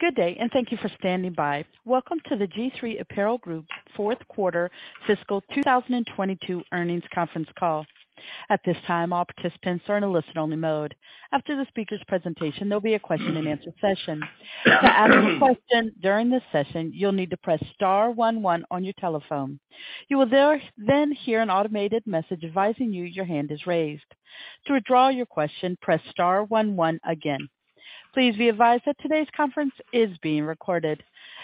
Good day, and thank you for standing by. Welcome to the G-III Apparel Group Q4 Fiscal 2022 Earnings Conference Call. At this time, all participants are in a listen-only mode. After the speaker's presentation, there'll be a question-and-answer session. To ask a question during this session, you'll need to press star 11 on your telephone. You will then hear an automated message advising you your hand is raised. To withdraw your question, press star 1 1 again. Please be advised that today's conference is being recorded.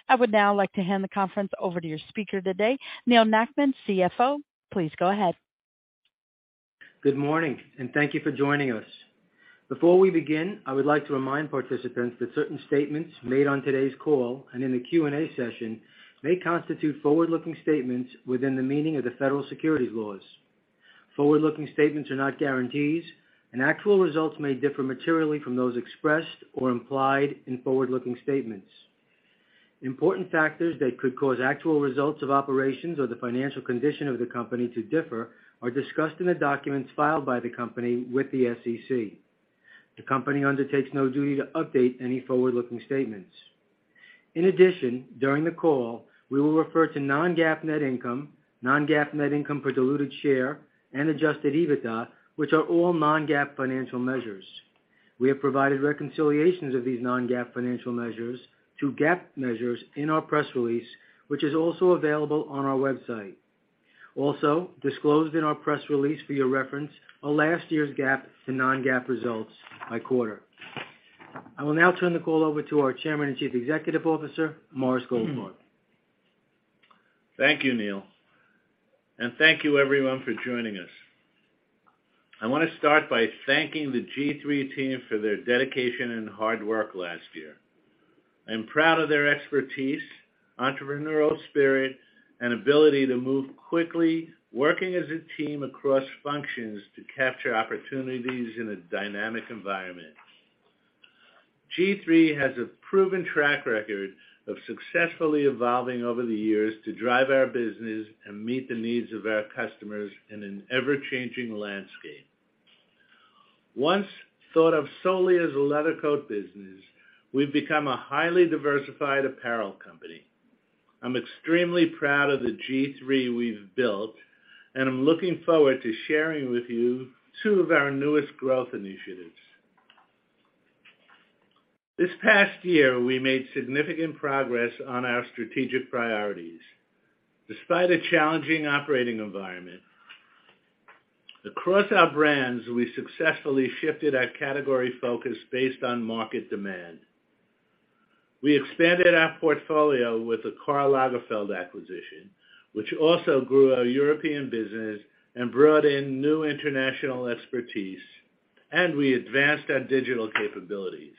I would now like to hand the conference over to your speaker today, Neal Nackman, CFO. Please go ahead. Good morning. Thank you for joining us. Before we begin, I would like to remind participants that certain statements made on today's call and in the Q&A session may constitute forward-looking statements within the meaning of the federal securities laws. Forward-looking statements are not guarantees. Actual results may differ materially from those expressed or implied in forward-looking statements. Important factors that could cause actual results of operations or the financial condition of the company to differ are discussed in the documents filed by the company with the SEC. The company undertakes no duty to update any forward-looking statements. In addition, during the call, we will refer to non-GAAP net income, non-GAAP net income per diluted share, and adjusted EBITDA, which are all non-GAAP financial measures. We have provided reconciliations of these non-GAAP financial measures to GAAP measures in our press release, which is also available on our website. Also disclosed in our press release for your reference are last year's GAAP and non-GAAP results by quarter. I will now turn the call over to our Chairman and Chief Executive Officer, Morris Goldfarb. Thank you, Neal. Thank you everyone for joining us. I wanna start by thanking the G-III team for their dedication and hard work last year. I'm proud of their expertise, entrepreneurial spirit, and ability to move quickly, working as a team across functions to capture opportunities in a dynamic environment. G-III has a proven track record of successfully evolving over the years to drive our business and meet the needs of our customers in an ever-changing landscape. Once thought of solely as a leather coat business, we've become a highly diversified apparel company. I'm extremely proud of the G-III we've built, and I'm looking forward to sharing with you two of our newest growth initiatives. This past year, we made significant progress on our strategic priorities. Despite a challenging operating environment, across our brands, we successfully shifted our category focus based on market demand. We expanded our portfolio with the Karl Lagerfeld acquisition, which also grew our European business and brought in new international expertise. We advanced our digital capabilities.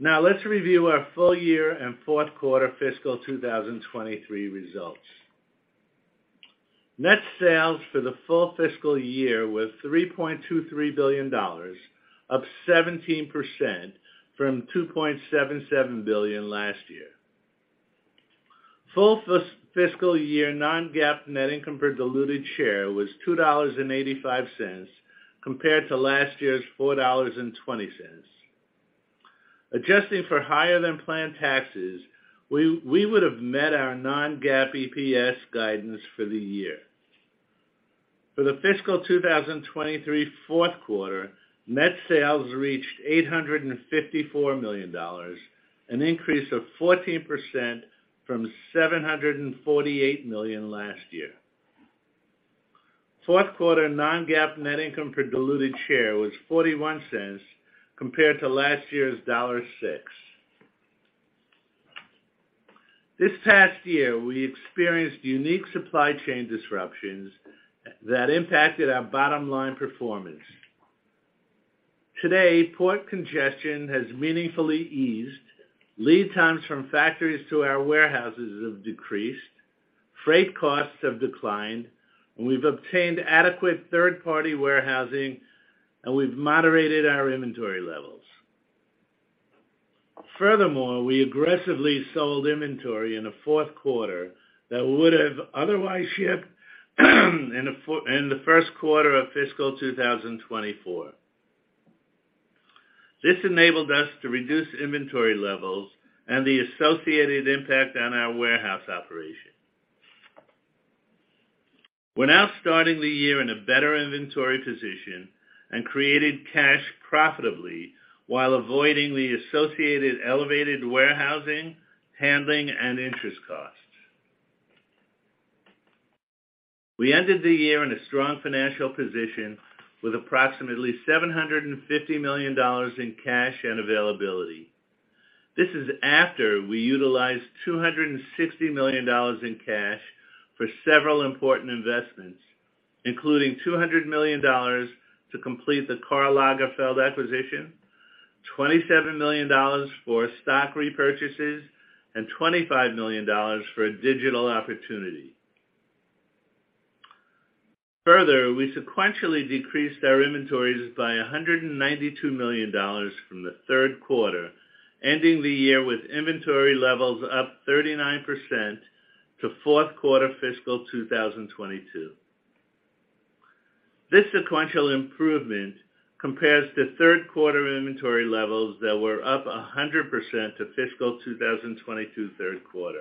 Let's review our full year and Q4 fiscal 2023 results. Net sales for the full fiscal year was $3.23 billion, up 17% from $2.77 billion last year. Full fiscal year non-GAAP net income per diluted share was $2.85 compared to last year's $4.20. Adjusting for higher-than-planned taxes, we would have met our non-GAAP EPS guidance for the year. For the fiscal 2023 Q4, net sales reached $854 million, an increase of 14% from $748 million last year. Q4 non-GAAP net income per diluted share was $0.41 compared to last year's $1.06. This past year, we experienced unique supply chain disruptions that impacted our bottom-line performance. Today, port congestion has meaningfully eased, lead times from factories to our warehouses have decreased, freight costs have declined, and we've obtained adequate third-party warehousing, and we've moderated our inventory levels. Furthermore, we aggressively sold inventory in the Q4 that would have otherwise shipped in the Q1 of fiscal 2024. This enabled us to reduce inventory levels and the associated impact on our warehouse operation. We're now starting the year in a better inventory position and created cash profitably while avoiding the associated elevated warehousing, handling, and interest costs. We ended the year in a strong financial position with approximately $750 million in cash and availability. This is after we utilized $260 million in cash for several important investments, including $200 million to complete the Karl Lagerfeld acquisition, $27 million for stock repurchases, and $25 million for a digital opportunity. Further, we sequentially decreased our inventories by $192 million from the Q3, ending the year with inventory levels up 39% to Q4 fiscal 2022. This sequential improvement compares to Q3 inventory levels that were up 100% to fiscal 2022 Q3.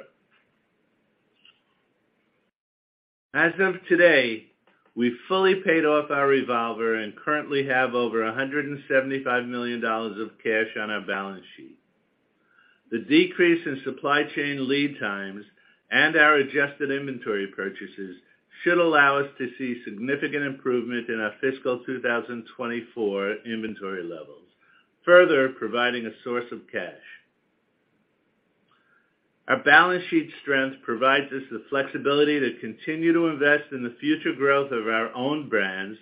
As of today, we've fully paid off our revolver and currently have over $175 million of cash on our balance sheet. The decrease in supply chain lead times and our adjusted inventory purchases should allow us to see significant improvement in our fiscal 2024 inventory levels, further providing a source of cash. Our balance sheet strength provides us the flexibility to continue to invest in the future growth of our own brands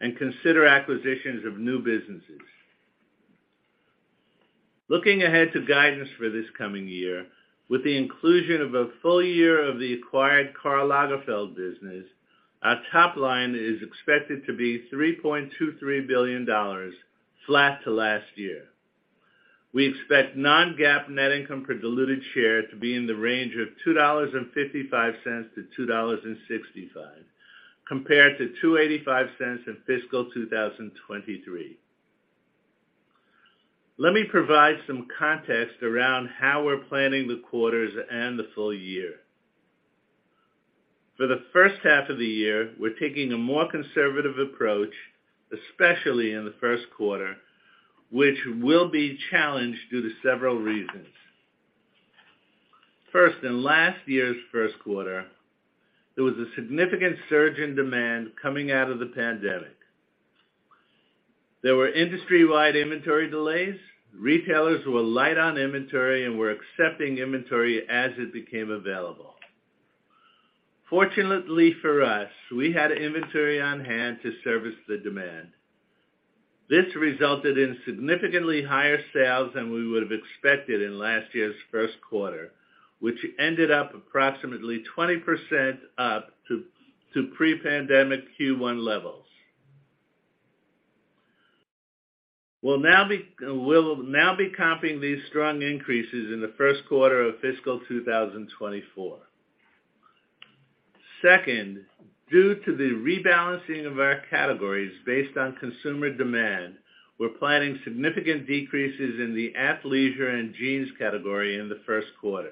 and consider acquisitions of new businesses. Looking ahead to guidance for this coming year, with the inclusion of a full year of the acquired Karl Lagerfeld business, our top line is expected to be $3.23 billion, flat to last year. We expect non-GAAP net income per diluted share to be in the range of $2.55-$2.65, compared to $2.85 in fiscal 2023. Let me provide some context around how we're planning the quarters and the full year. For the first half of the year, we're taking a more conservative approach, especially in the Q1, which will be challenged due to several reasons. First, in last year's Q1, there was a significant surge in demand coming out of the pandemic. There were industry-wide inventory delays. Retailers were light on inventory and were accepting inventory as it became available. Fortunately for us, we had inventory on-hand to service the demand. This resulted in significantly higher sales than we would have expected in last year's Q1, which ended up approximately 20% up to pre-pandemic Q1 levels. We'll now be comping these strong increases in the Q1 of fiscal 2024. Second, due to the rebalancing of our categories based on consumer demand, we're planning significant decreases in the athleisure and jeans category in the Q1.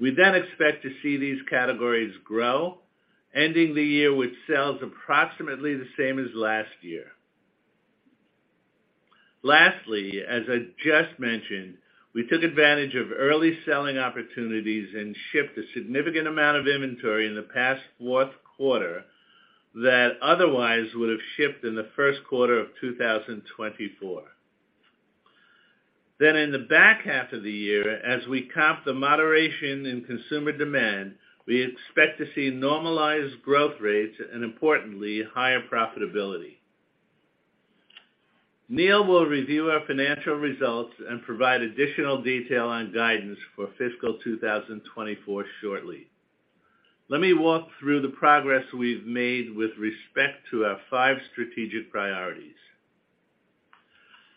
We expect to see these categories grow, ending the year with sales approximately the same as last year. Lastly, as I just mentioned, we took advantage of early selling opportunities and shipped a significant amount of inventory in the past Q4 that otherwise would have shipped in the Q1 of 2024. In the back half of the year, as we comp the moderation in consumer demand, we expect to see normalized growth rates and, importantly, higher profitability. Neal will review our financial results and provide additional detail on guidance for fiscal 2024 shortly. Let me walk through the progress we've made with respect to our five strategic priorities.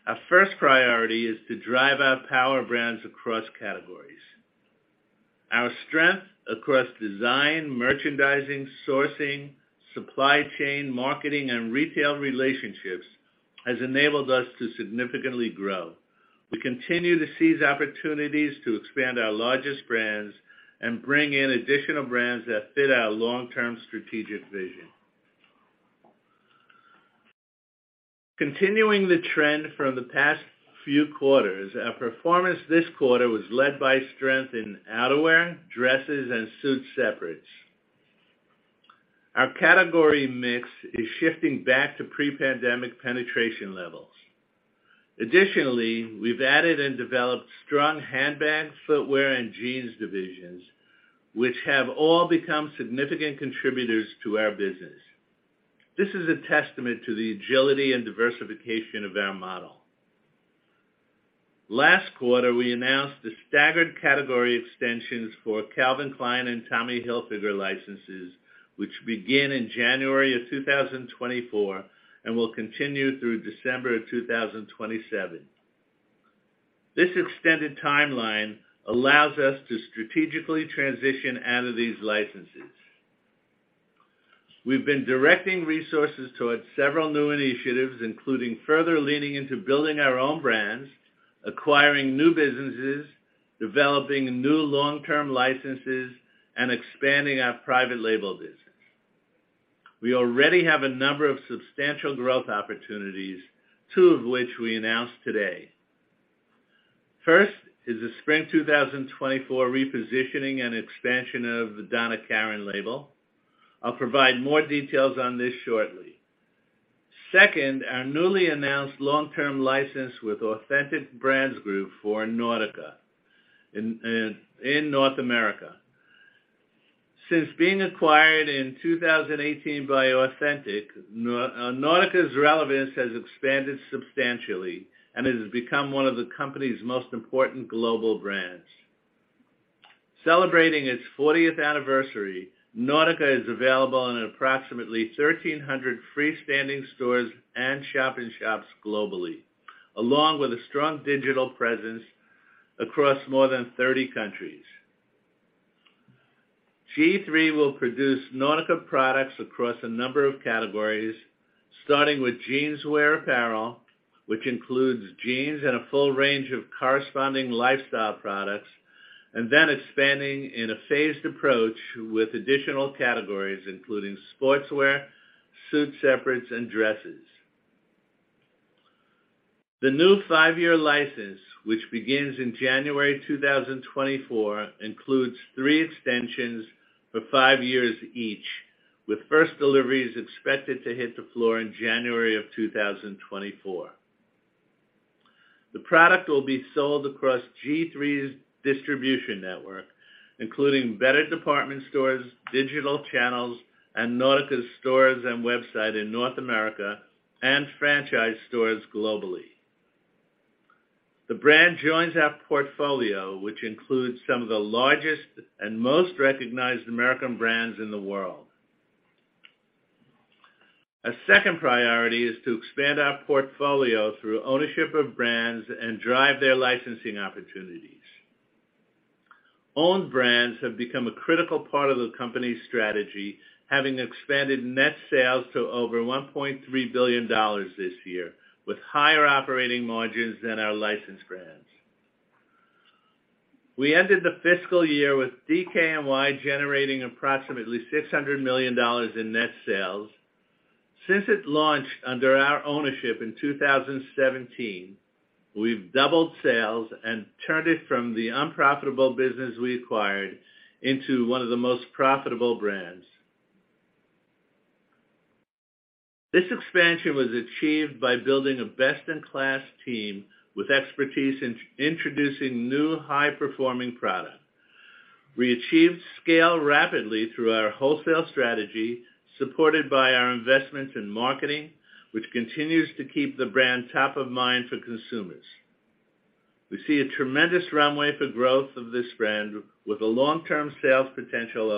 Our first priority is to drive our power brands across categories. Our strength across design, merchandising, sourcing, supply chain, marketing, and retail relationships has enabled us to significantly grow. We continue to seize opportunities to expand our largest brands and bring in additional brands that fit our long-term strategic vision. Continuing the trend from the past few quarters, our performance this quarter was led by strength in outerwear, dresses, and suit separates. Our category mix is shifting back to pre-pandemic penetration levels. Additionally, we've added and developed strong handbag, footwear, and jeans divisions, which have all become significant contributors to our business. This is a testament to the agility and diversification of our model. Last quarter, we announced the staggered category extensions for Calvin Klein and Tommy Hilfiger licenses, which begin in January of 2024 and will continue through December of 2027. This extended timeline allows us to strategically transition out of these licenses. We've been directing resources towards several new initiatives, including further leaning into building our own brands, acquiring new businesses, developing new long-term licenses, and expanding our private label business. We already have a number of substantial growth opportunities, two of which we announced today. First is the spring 2024 repositioning and expansion of the Donna Karan label. I'll provide more details on this shortly. Second, our newly announced long-term license with Authentic Brands Group for Nautica in North America. Since being acquired in 2018 by Authentic, Nautica's relevance has expanded substantially and has become one of the company's most important global brands. Celebrating its 40th anniversary, Nautica is available in approximately 1,300 freestanding stores and shop in shops globally, along with a strong digital presence across more than 30 countries. G-III will produce Nautica products across a number of categories, starting with jeans wear apparel, which includes jeans and a full range of corresponding lifestyle products, and then expanding in a phased approach with additional categories including sportswear, suit separates, and dresses. The new five-year license, which begins in January 2024, includes three extensions for five years each, with first deliveries expected to hit the floor in January of 2024. The product will be sold across G-III's distribution network, including better department stores, digital channels, and Nautica stores and website in North America, and franchise stores globally. The brand joins our portfolio, which includes some of the largest and most recognized American brands in the world. A second priority is to expand our portfolio through ownership of brands and drive their licensing opportunities. Owned brands have become a critical part of the company's strategy, having expanded net sales to over $1.3 billion this year, with higher operating margins than our licensed brands. We ended the fiscal year with DKNY generating approximately $600 million in net sales. Since it launched under our ownership in 2017, we've doubled sales and turned it from the unprofitable business we acquired into one of the most profitable brands. This expansion was achieved by building a best-in-class team with expertise in introducing new high-performing product. We achieved scale rapidly through our wholesale strategy, supported by our investment in marketing, which continues to keep the brand top of mind for consumers. We see a tremendous runway for growth of this brand with a long-term sales potential with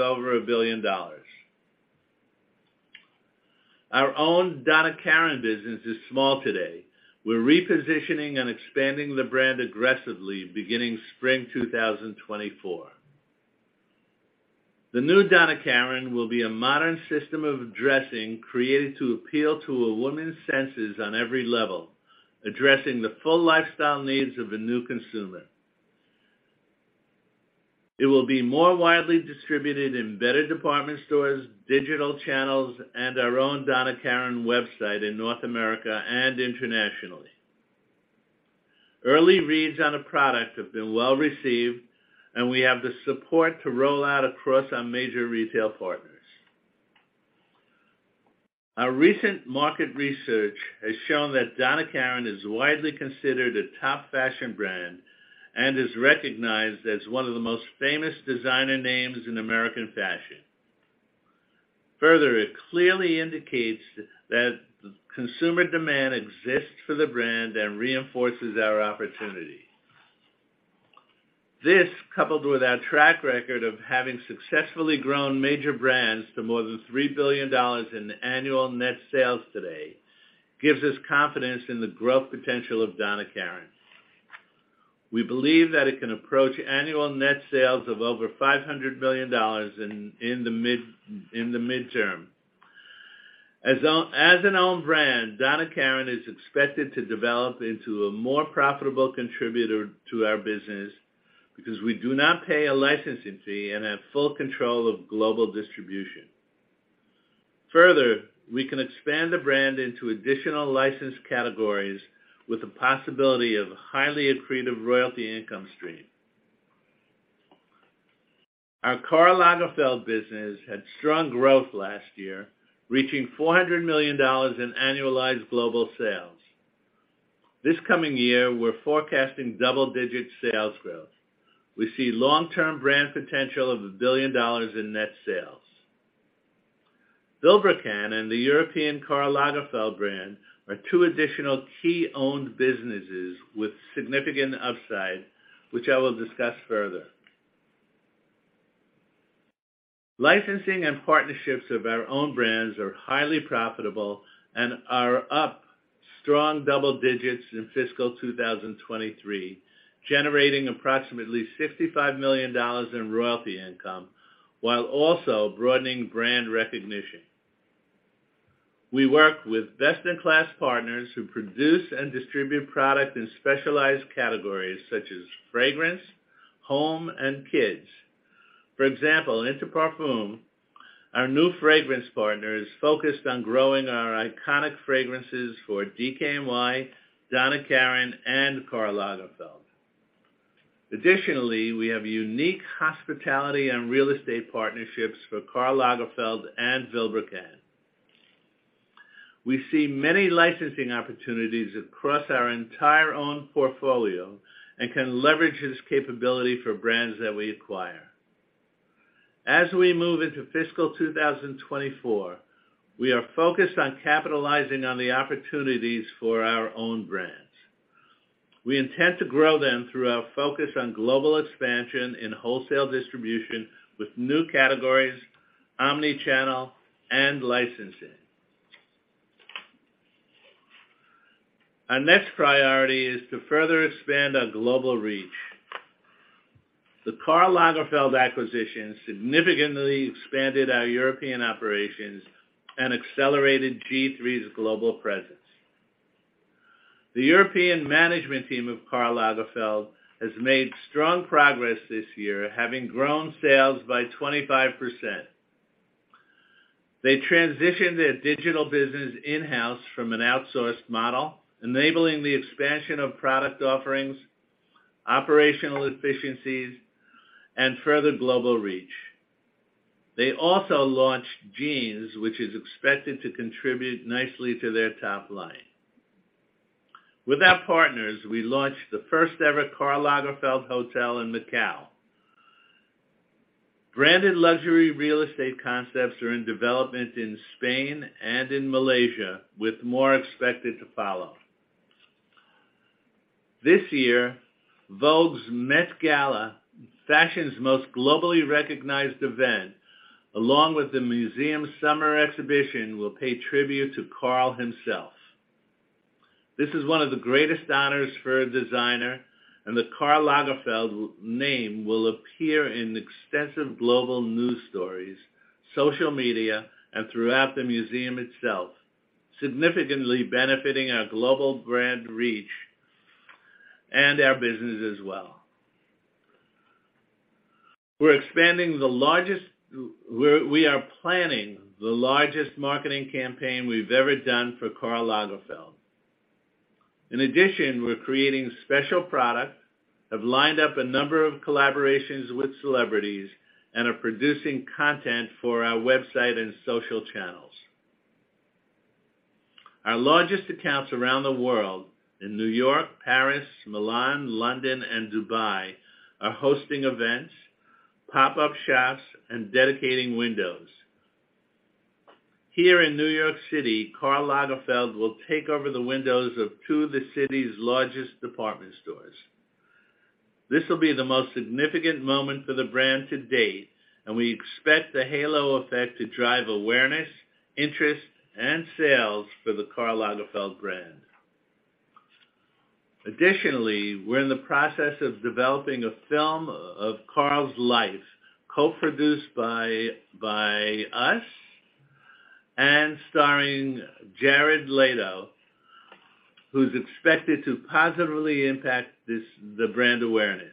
over $1 billion. Our own Donna Karan business is small today. We're repositioning and expanding the brand aggressively beginning spring 2024. The new Donna Karan will be a modern system of dressing created to appeal to a woman's senses on every level, addressing the full lifestyle needs of a new consumer. It will be more widely distributed in better department stores, digital channels, and our own Donna Karan website in North America and internationally. Early reads on a product have been well-received. We have the support to roll out across our major retail partners. Our recent market research has shown that Donna Karan is widely considered a top fashion brand and is recognized as one of the most famous designer names in American fashion. It clearly indicates that consumer demand exists for the brand and reinforces our opportunity. This, coupled with our track record of having successfully grown major brands to more than $3 billion in annual net sales today, gives us confidence in the growth potential of Donna Karan. We believe that it can approach annual net sales of over $500 million in the midterm. As an owned brand, Donna Karan is expected to develop into a more profitable contributor to our business because we do not pay a licensing fee and have full control of global distribution. We can expand the brand into additional licensed categories with the possibility of a highly accretive royalty income stream. Our Karl Lagerfeld business had strong growth last year, reaching $400 million in annualized global sales. This coming year, we're forecasting double-digit sales growth. We see long-term brand potential of $1 billion in net sales. Vilebrequin and the European Karl Lagerfeld brand are two additional key owned businesses with significant upside, which I will discuss further. Licensing and partnerships of our own brands are highly profitable and are up strong double digits in fiscal 2023, generating approximately $55 million in royalty income while also broadening brand recognition. We work with best-in-class partners who produce and distribute product in specialized categories such as fragrance, home, and kids. For example, Interparfums, our new fragrance partner, is focused on growing our iconic fragrances for DKNY, Donna Karan, and Karl Lagerfeld. Additionally, we have unique hospitality and real estate partnerships for Karl Lagerfeld and Vilebrequin. We see many licensing opportunities across our entire owned portfolio and can leverage this capability for brands that we acquire. As we move into fiscal 2024, we are focused on capitalizing on the opportunities for our owned brands. We intend to grow them through our focus on global expansion in wholesale distribution with new categories, omni-channel, and licensing. Our next priority is to further expand our global reach. The Karl Lagerfeld acquisition significantly expanded our European operations and accelerated G-III's global presence. The European management team of Karl Lagerfeld has made strong progress this year, having grown sales by 25%. They transitioned their digital business in-house from an outsourced model, enabling the expansion of product offerings, operational efficiencies, and further global reach. They also launched Jeans, which is expected to contribute nicely to their top line. With our partners, we launched the first-ever Karl Lagerfeld hotel in Macau. Branded luxury real estate concepts are in development in Spain and in Malaysia, with more expected to follow. This year, Vogue's Met Gala, fashion's most globally recognized event, along with the museum's summer exhibition, will pay tribute to Karl himself. This is one of the greatest honors for a designer, and the Karl Lagerfeld name will appear in extensive global news stories, social media, and throughout the museum itself, significantly benefiting our global brand reach and our business as well. We are planning the largest marketing campaign we've ever done for Karl Lagerfeld. In addition, we're creating special product, have lined up a number of collaborations with celebrities, and are producing content for our website and social channels. Our largest accounts around the world in New York, Paris, Milan, London, and Dubai are hosting events, pop-up shops, and dedicating windows. Here in New York City, Karl Lagerfeld will take over the windows of two of the city's largest department stores. This will be the most significant moment for the brand to date, and we expect the halo effect to drive awareness, interest, and sales for the Karl Lagerfeld brand. Additionally, we're in the process of developing a film of Karl's life, co-produced by us and starring Jared Leto, who's expected to positively impact the brand awareness.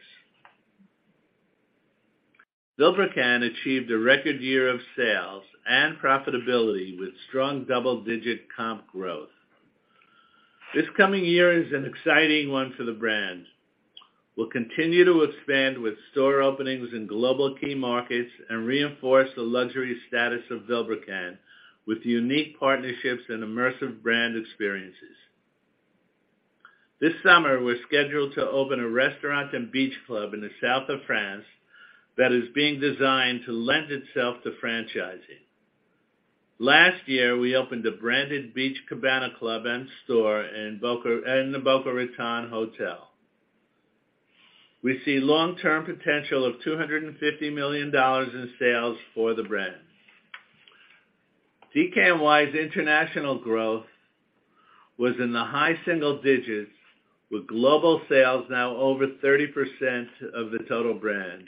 Vilebrequin achieved a record year of sales and profitability with strong double-digit comp growth. This coming year is an exciting one for the brand. We'll continue to expand with store openings in global key markets and reinforce the luxury status of Vilebrequin with unique partnerships and immersive brand experiences. This summer, we're scheduled to open a restaurant and beach club in the south of France that is being designed to lend itself to franchising. Last year, we opened a branded beach cabana club and store in the Boca Raton Hotel. We see long-term potential of $250 million in sales for the brand. DKNY's international growth was in the high single digits, with global sales now over 30% of the total brand.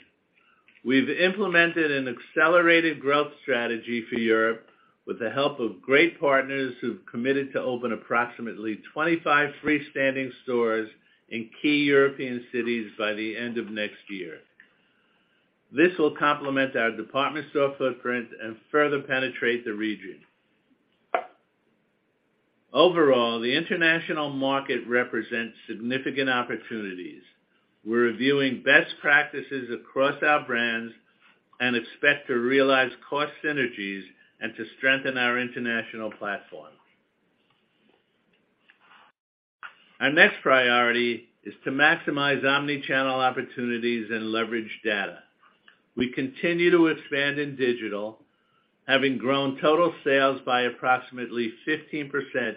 We've implemented an accelerated growth strategy for Europe with the help of great partners who've committed to open approximately 25 freestanding stores in key European cities by the end of next year. This will complement our department store footprint and further penetrate the region. Overall, the international market represents significant opportunities. We're reviewing best practices across our brands and expect to realize cost synergies and to strengthen our international platform. Our next priority is to maximize omnichannel opportunities and leverage data. We continue to expand in digital, having grown total sales by approximately 15%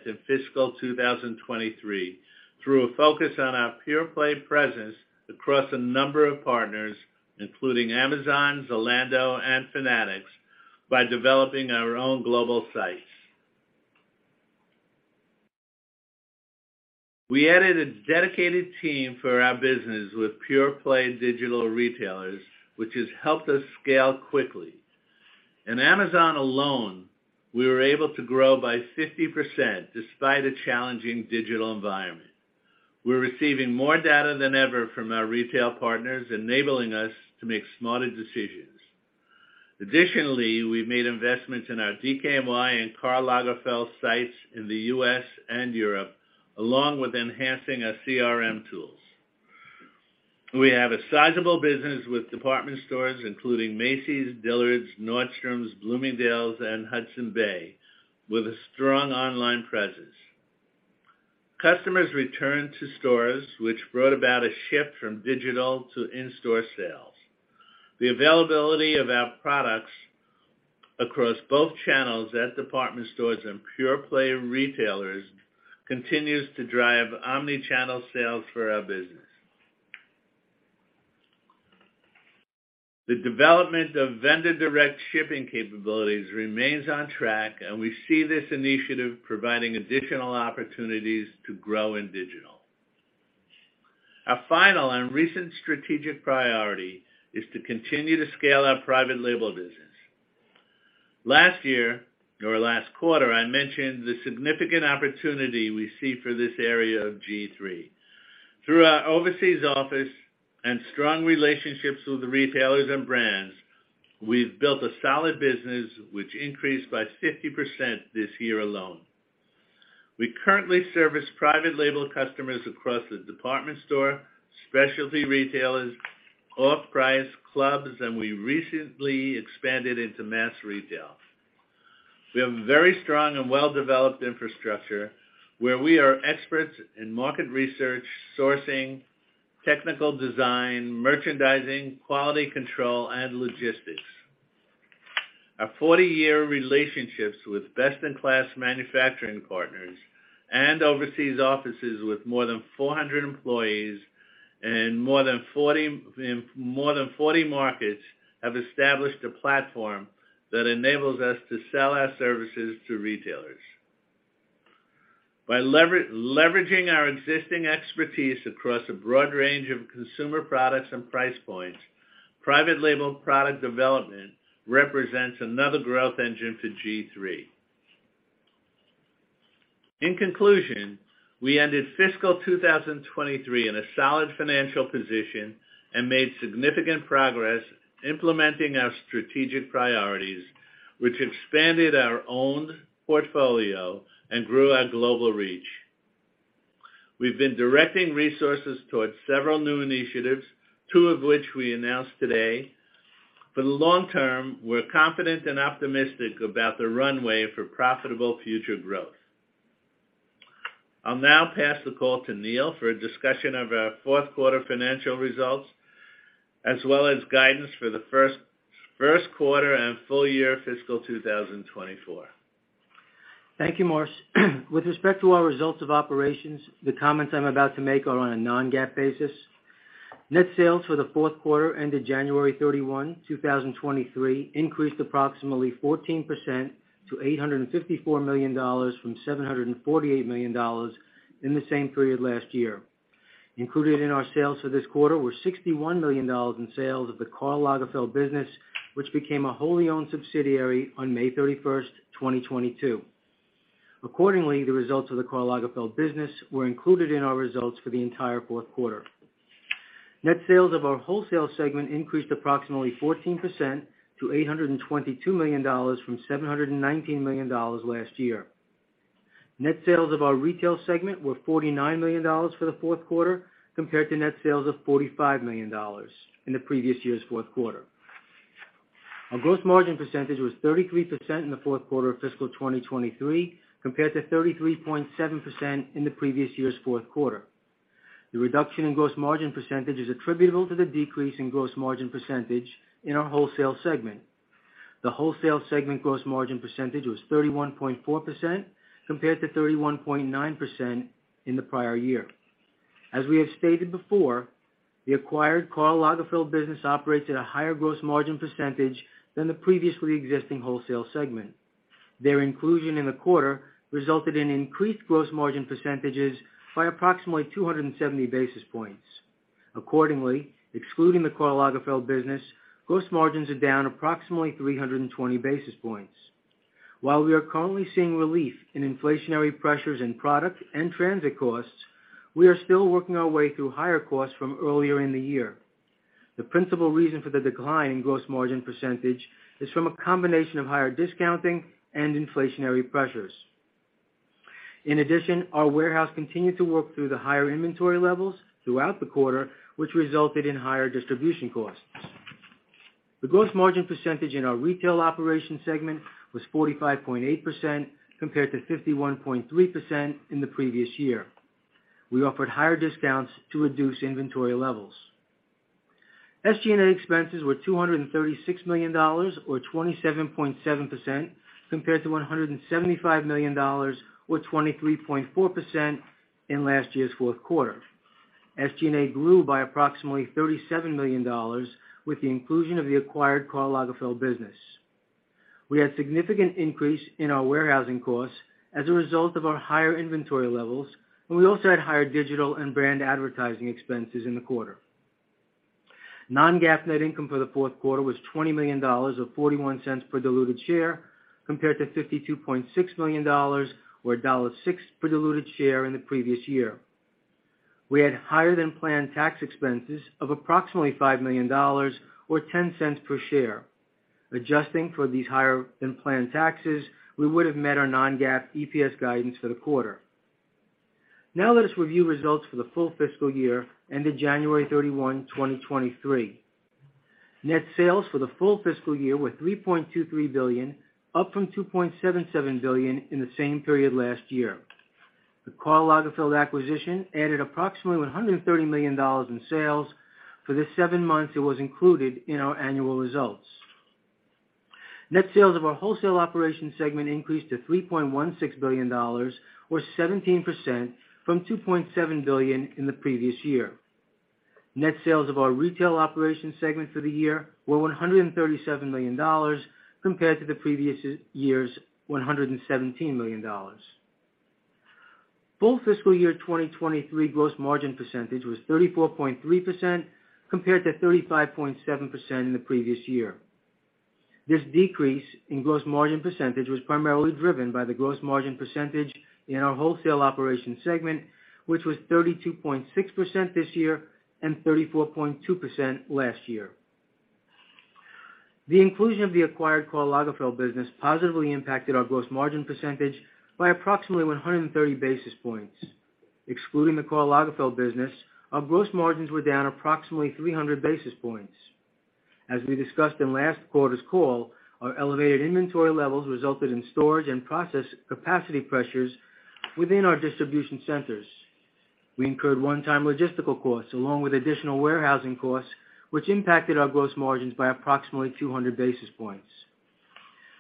in fiscal 2023 through a focus on our pure-play presence across a number of partners, including Amazon, Zalando, and Fanatics, by developing our own global sites. We added a dedicated team for our business with pure-play digital retailers, which has helped us scale quickly. In Amazon alone, we were able to grow by 50% despite a challenging digital environment. We're receiving more data than ever from our retail partners, enabling us to make smarter decisions. Additionally, we've made investments in our DKNY and Karl Lagerfeld sites in the US and Europe, along with enhancing our CRM tools. We have a sizable business with department stores, including Macy's, Dillard's, Nordstrom, Bloomingdale's, and Hudson's Bay, with a strong online presence. Customers returned to stores, which brought about a shift from digital to in-store sales. The availability of our products across both channels at department stores and pure-play retailers continues to drive omnichannel sales for our business. The development of vendor-direct shipping capabilities remains on track. We see this initiative providing additional opportunities to grow in digital. Our final and recent strategic priority is to continue to scale our private label business. Last year or last quarter, I mentioned the significant opportunity we see for this area of G-III. Through our overseas office and strong relationships with the retailers and brands, we've built a solid business which increased by 50% this year alone. We currently service private label customers across the department store, specialty retailers, off-price clubs, and we recently expanded into mass retail. We have a very strong and well-developed infrastructure where we are experts in market research, sourcing, technical design, merchandising, quality control, and logistics. Our 40-year relationships with best-in-class manufacturing partners and overseas offices with more than 400 employees and in more than 40 markets have established a platform that enables us to sell our services to retailers. By leveraging our existing expertise across a broad range of consumer products and price points, private label product development represents another growth engine for G-III. In conclusion, we ended fiscal 2023 in a solid financial position and made significant progress implementing our strategic priorities, which expanded our owned portfolio and grew our global reach. We've been directing resources towards several new initiatives, two of which we announced today. For the long term, we're confident and optimistic about the runway for profitable future growth. I'll now pass the call to Neal for a discussion of our Q4 financial results as well as guidance for the Q1 and full year fiscal 2024. Thank you, Morris. With respect to our results of operations, the comments I'm about to make are on a non-GAAP basis. Net sales for the Q4 ended 31 January 2023, increased approximately 14% to $854 million from $748 million in the same period last year. Included in our sales for this quarter were $61 million in sales of the Karl Lagerfeld business, which became a wholly owned subsidiary on 31 May 2022. Accordingly, the results of the Karl Lagerfeld business were included in our results for the entire Q4. Net sales of our wholesale segment increased approximately 14% to $822 million from $719 million last year. Net sales of our retail segment were $49 million for the Q4 compared to net sales of $45 million in the previous year's Q4. Our gross margin percentage was 33% in the Q4 of fiscal 2023 compared to 33.7% in the previous year's Q4. The reduction in gross margin percentage is attributable to the decrease in gross margin percentage in our wholesale segment. The wholesale segment gross margin percentage was 31.4% compared to 31.9% in the prior year. As we have stated before, the acquired Karl Lagerfeld business operates at a higher gross margin percentage than the previously existing wholesale segment. Their inclusion in the quarter resulted in increased gross margin percentages by approximately 270 basis points. Accordingly, excluding the Karl Lagerfeld business, gross margins are down approximately 320 basis points. While we are currently seeing relief in inflationary pressures in product and transit costs, we are still working our way through higher costs from earlier in the year. The principal reason for the decline in gross margin percentage is from a combination of higher discounting and inflationary pressures. In addition, our warehouse continued to work through the higher inventory levels throughout the quarter, which resulted in higher distribution costs. The gross margin percentage in our retail operation segment was 45.8% compared to 51.3% in the previous year. We offered higher discounts to reduce inventory levels. SG&A expenses were $236 million or 27.7% compared to $175 million or 23.4% in last year's Q4. SG&A grew by approximately $37 million with the inclusion of the acquired Karl Lagerfeld business. We had significant increase in our warehousing costs as a result of our higher inventory levels, and we also had higher digital and brand advertising expenses in the quarter. non-GAAP net income for the Q4 was $20 million, or $0.41 per diluted share, compared to $52.6 million, or $1.06 per diluted share in the previous year. We had higher-than-planned tax expenses of approximately $5 million, or $0.10 per share. Adjusting for these higher-than-planned taxes, we would have met our non-GAAP EPS guidance for the quarter. Now let us review results for the full fiscal year ended January 31, 2023. Net sales for the full fiscal year were $3.23 billion, up from $2.77 billion in the same period last year. The Karl Lagerfeld acquisition added approximately $130 million in sales for the seven months it was included in our annual results. Net sales of our wholesale operations segment increased to $3.16 billion or 17% from $2.7 billion in the previous year. Net sales of our retail operations segment for the year were $137 million compared to the previous year's $117 million. Full fiscal year 2023 gross margin percentage was 34.3% compared to 35.7% in the previous year. This decrease in gross margin percentage was primarily driven by the gross margin percentage in our wholesale operations segment, which was 32.6% this year and 34.2% last year. The inclusion of the acquired Karl Lagerfeld business positively impacted our gross margin percentage by approximately 130 basis points. Excluding the Karl Lagerfeld business, our gross margins were down approximately 300 basis points. As we discussed in last quarter's call, our elevated inventory levels resulted in storage and process capacity pressures within our distribution centers. We incurred one-time logistical costs, along with additional warehousing costs, which impacted our gross margins by approximately 200 basis points.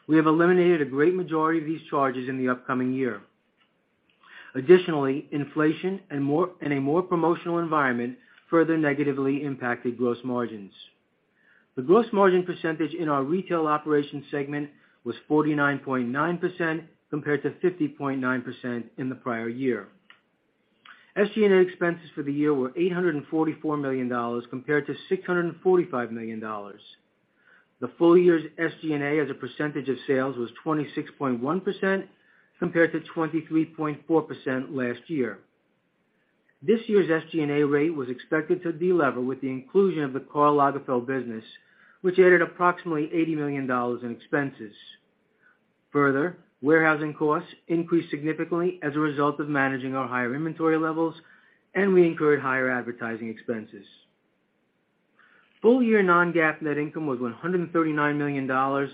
We have eliminated a great majority of these charges in the upcoming year. Additionally, inflation and a more promotional environment further negatively impacted gross margins. The gross margin percentage in our retail operations segment was 49.9% compared to 50.9% in the prior year. SG&A expenses for the year were $844 million compared to $645 million. The full year's SG&A as a percentage of sales was 26.1% compared to 23.4% last year. This year's SG&A rate was expected to delever with the inclusion of the Karl Lagerfeld business, which added approximately $80 million in expenses. Warehousing costs increased significantly as a result of managing our higher inventory levels, and we incurred higher advertising expenses. Full-year non-GAAP net income was $139 million, or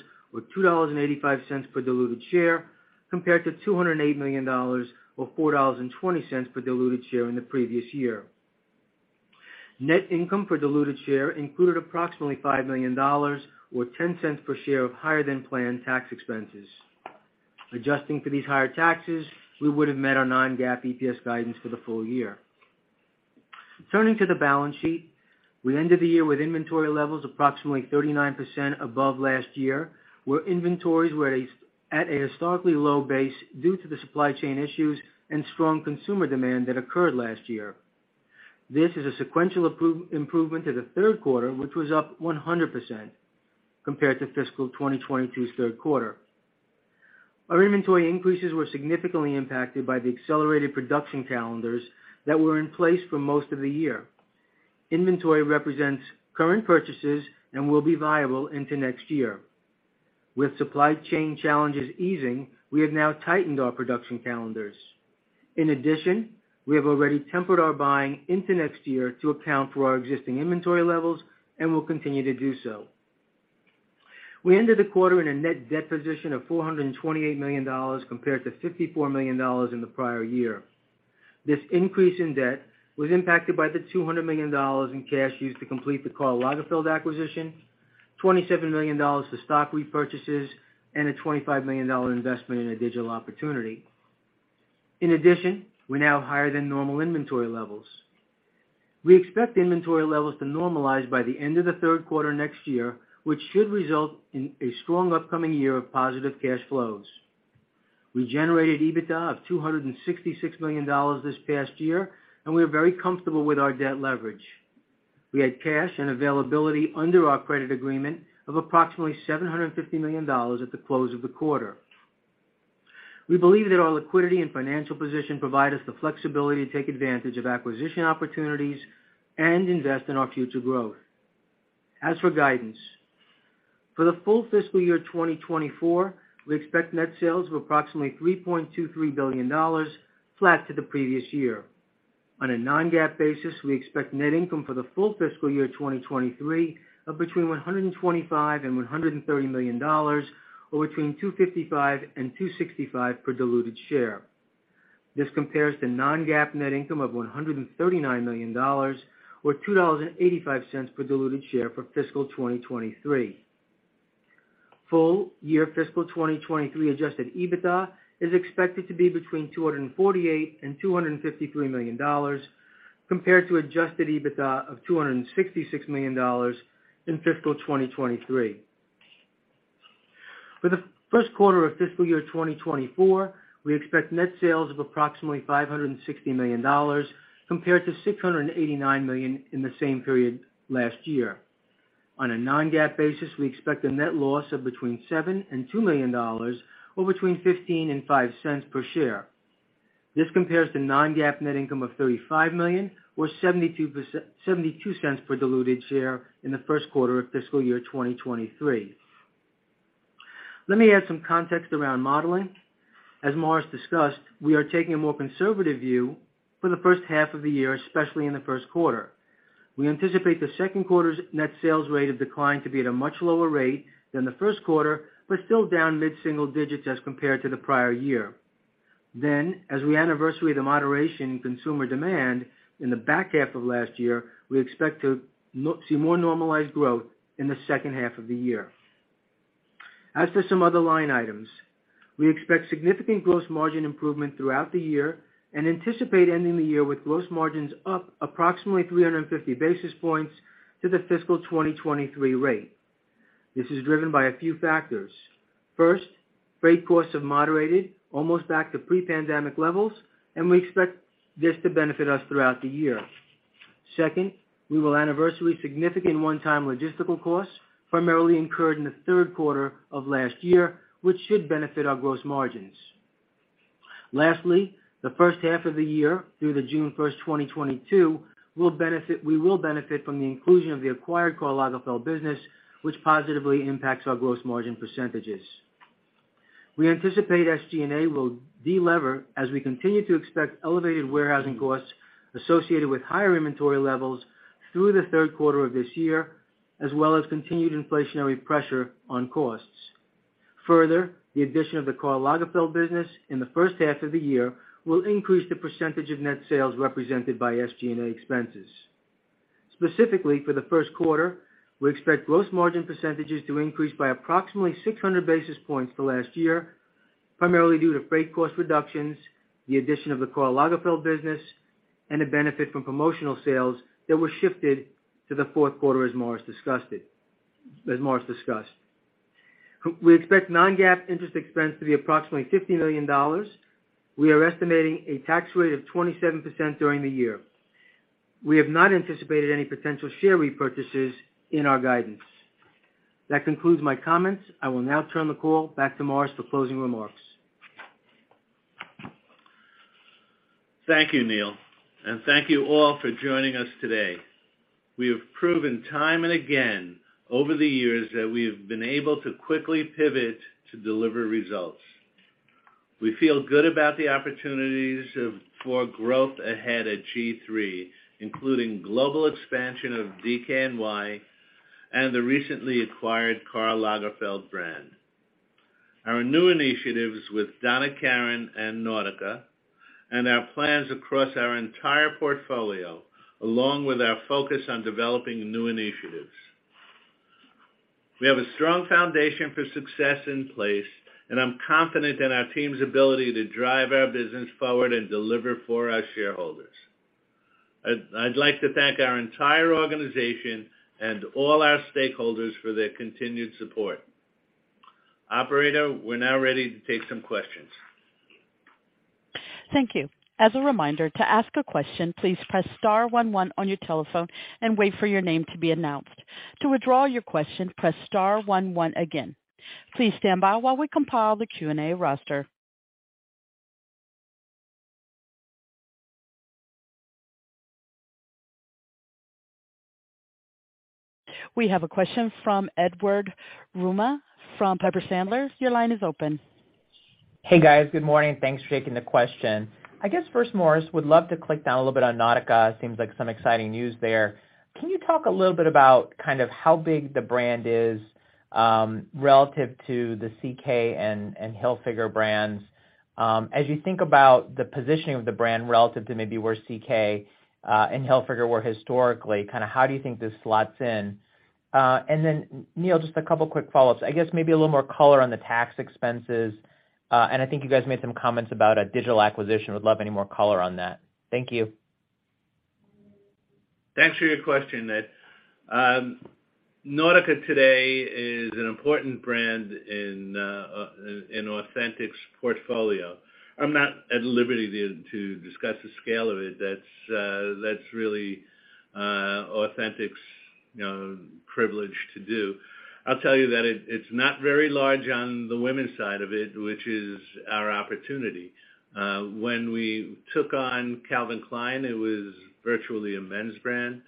$2.85 per diluted share, compared to $208 million or $4.20 per diluted share in the previous year. Net income per diluted share included approximately $5 million or $0.10 per share of higher-than-planned tax expenses. Adjusting for these higher taxes, we would have met our non-GAAP EPS guidance for the full year. Turning to the balance sheet. We ended the year with inventory levels approximately 39% above last year, where inventories were at a historically low base due to the supply chain issues and strong consumer demand that occurred last year. This is a sequential improvement to the Q3, which was up 100% compared to fiscal 2022's Q3. Our inventory increases were significantly impacted by the accelerated production calendars that were in place for most of the year. Inventory represents current purchases and will be viable into next year. With supply chain challenges easing, we have now tightened our production calendars. In addition, we have already tempered our buying into next year to account for our existing inventory levels and will continue to do so. We ended the quarter in a net debt position of $428 million compared to $54 million in the prior year. This increase in debt was impacted by the $200 million in cash used to complete the Karl Lagerfeld acquisition, $27 million for stock repurchases, and a $25 million investment in a digital opportunity. In addition, we're now higher than normal inventory levels. We expect inventory levels to normalize by the end of the Q3 next year, which should result in a strong upcoming year of positive cash flows. We generated EBITDA of $266 million this past year. We are very comfortable with our debt leverage. We had cash and availability under our credit agreement of approximately $750 million at the close of the quarter. We believe that our liquidity and financial position provide us the flexibility to take advantage of acquisition opportunities and invest in our future growth. As for guidance, for the full fiscal year 2024, we expect net sales of approximately $3.23 billion, flat to the previous year. On a non-GAAP basis, we expect net income for the full fiscal year 2023 of between $125 million and $130 million or between $2.55 and $2.65 per diluted share. This compares to non-GAAP net income of $139 million or $2.85 per diluted share for fiscal 2023. Full year fiscal 2023 adjusted EBITDA is expected to be between $248 million and $253 million compared to adjusted EBITDA of $266 million in fiscal 2023. For the Q1 of fiscal year 2024, we expect net sales of approximately $560 million compared to $689 million in the same period last year. On a non-GAAP basis, we expect a net loss of between $7 million and $2 million or between $0.15 and $0.05 per share. This compares to non-GAAP net income of $35 million or $0.72 per diluted share in the Q1 of fiscal year 2023. Let me add some context around modeling. As Morris discussed, we are taking a more conservative view for the first half of the year, especially in the Q1. We anticipate the Q2's net sales rate of decline to be at a much lower rate than the Q1, but still down mid-single digits as compared to the prior year. As we anniversary the moderation in consumer demand in the back half of last year, we expect to see more normalized growth in the second half of the year. As to some other line items, we expect significant gross margin improvement throughout the year and anticipate ending the year with gross margins up approximately 350 basis points to the fiscal 2023 rate. This is driven by a few factors. First, freight costs have moderated almost back to pre-pandemic levels, and we expect this to benefit us throughout the year. Second, we will anniversary significant one-time logistical costs primarily incurred in the Q3 of last year, which should benefit our gross margins. Lastly, the first half of the year through June 1, 2022, we will benefit from the inclusion of the acquired Karl Lagerfeld business, which positively impacts our gross margin percentages. We anticipate SG&A will de-lever as we continue to expect elevated warehousing costs associated with higher inventory levels through the Q3 of this year, as well as continued inflationary pressure on costs. The addition of the Karl Lagerfeld business in the first half of the year will increase the percentage of net sales represented by SG&A expenses. Specifically, for the Q1, we expect gross margin percentages to increase by approximately 600 basis points to last year, primarily due to freight cost reductions, the addition of the Karl Lagerfeld business, and a benefit from promotional sales that were shifted to the Q4, as Morris discussed. We expect non-GAAP interest expense to be approximately $50 million. We are estimating a tax rate of 27% during the year. We have not anticipated any potential share repurchases in our guidance. That concludes my comments. I will now turn the call back to Morris for closing remarks. Thank you, Neal, thank you all for joining us today. We have proven time and again over the years that we have been able to quickly pivot to deliver results. We feel good about the opportunities for growth ahead at G-III, including global expansion of DKNY and the recently acquired Karl Lagerfeld brand. Our new initiatives with Donna Karan and Nautica and our plans across our entire portfolio, along with our focus on developing new initiatives. We have a strong foundation for success in place, I'm confident in our team's ability to drive our business forward and deliver for our shareholders. I'd like to thank our entire organization and all our stakeholders for their continued support. Operator, we're now ready to take some questions. Thank you. As a reminder, to ask a question, please press star one one on your telephone and wait for your name to be announced. To withdraw your question, press star one one again. Please stand by while we compile the Q&A roster. We have a question from Edward Yruma from Piper Sandler. Your line is open. Hey, guys. Good morning. Thanks for taking the question. I guess first, Morris, would love to click down a little bit on Nautica. Seems like some exciting news there. Can you talk a little bit about kind of how big the brand is, relative to the CK and Hilfiger brands? As you think about the positioning of the brand relative to maybe where CK and Hilfiger were historically, kinda how do you think this slots in? Neil, just two quick follow-ups. I guess maybe a little more color on the tax expenses. I think you guys made some comments about a digital acquisition. Would love any more color on that. Thank you. Thanks for your question, Ed. Nautica today is an important brand in Authentic's portfolio. I'm not at liberty to discuss the scale of it. That's really Authentic's, you know, privilege to do. I'll tell you that it's not very large on the women's side of it, which is our opportunity. When we took on Calvin Klein, it was virtually a men's brand.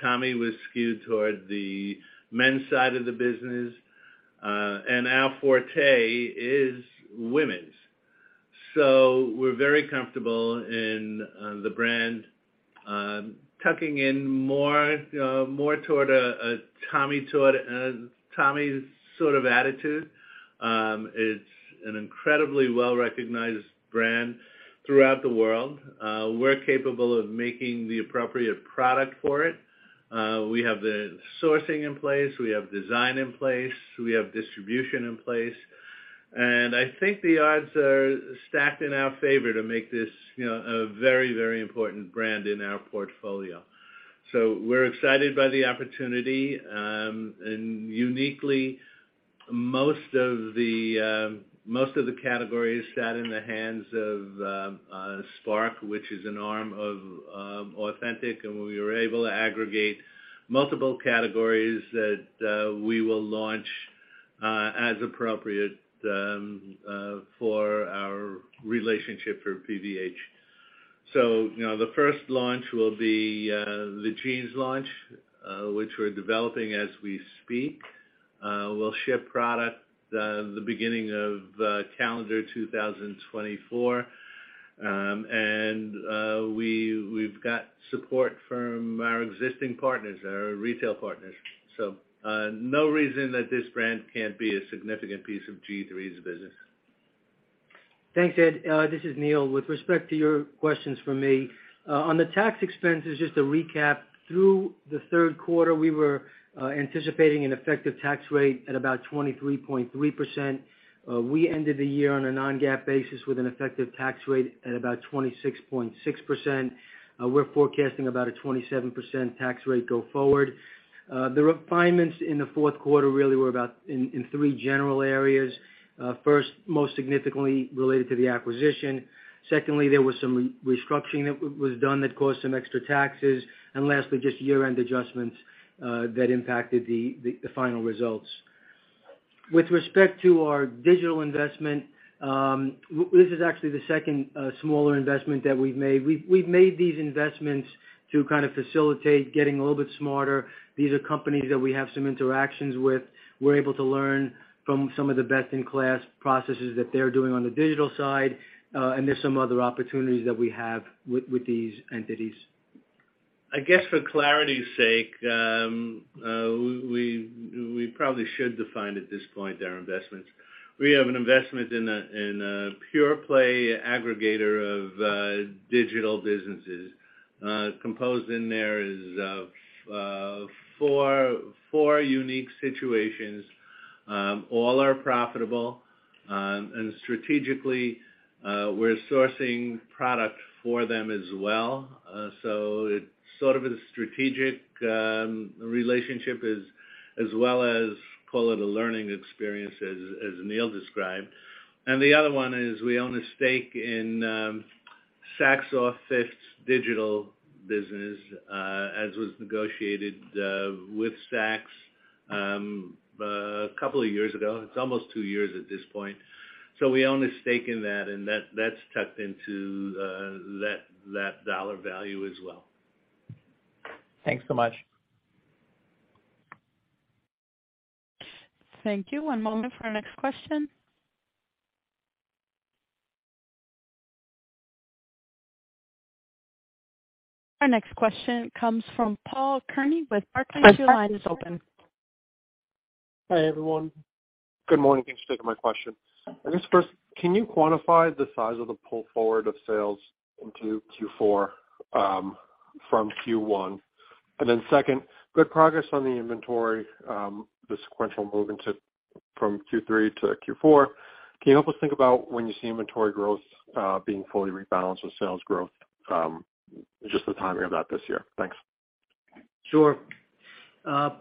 Tommy was skewed toward the men's side of the business. Our forte is women's. We're very comfortable in the brand, tucking in more toward a Tommy toward Tommy's sort of attitude. It's an incredibly well-recognized brand throughout the world. We're capable of making the appropriate product for it. We have the sourcing in place. We have design in place. We have distribution in place. I think the odds are stacked in our favor to make this, you know, a very, very important brand in our portfolio. We're excited by the opportunity. Uniquely, most of the categories sat in the hands of SPARC Group, which is an arm of Authentic Brands Group, we were able to aggregate multiple categories that we will launch as appropriate for our relationship for PVH. You know, the first launch will be the jeans launch, which we're developing as we speak. We'll ship product the beginning of calendar 2024. We've got support from our existing partners, our retail partners. No reason that this brand can't be a significant piece of G-III's business. Thanks, Ed. This is Neil. With respect to your questions for me, on the tax expense is just a recap. Through the Q3, we were anticipating an effective tax rate at about 23.3%. We ended the year on a non-GAAP basis with an effective tax rate at about 26.6%. We're forecasting about a 27% tax rate go forward. The refinements in the Q4 really were about in three general areas. First, most significantly related to the acquisition. Secondly, there was some restructuring that was done that caused some extra taxes. Lastly, just year-end adjustments that impacted the final results. With respect to our digital investment, this is actually the second, smaller investment that we've made. We've made these investments to kind of facilitate getting a little bit smarter. These are companies that we have some interactions with. We're able to learn from some of the best-in-class processes that they're doing on the digital side. There's some other opportunities that we have with these entities. I guess for clarity's sake, we probably should define at this point our investments. We have an investment in a, in a pure play aggregator of digital businesses. Composed in there is four unique situations. All are profitable. Strategically, we're sourcing product for them as well. It sort of a strategic relationship as well as call it a learning experience as Neal described. The other one is we own a stake in Saks OFF 5THdigital business as was negotiated with Saks a couple of years ago. It's almost two years at this point. We own a stake in that, and that's tucked into that $ value as well. Thanks so much. Thank you. One moment for our next question. Our next question comes from Paul Keiser with Barclays. Your line is open. Hi, everyone. Good morning. Thanks for taking my question. I guess first, can you quantify the size of the pull forward of sales into Q4 from Q1? Second, good progress on the inventory, the sequential move into from Q3 to Q4. Can you help us think about when you see inventory growth being fully rebalanced with sales growth, just the timing of that this year? Thanks. Sure.